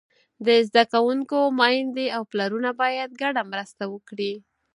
د زده کوونکو میندې او پلرونه باید ګډه مرسته وکړي.